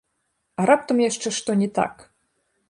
А раптам яшчэ што не так?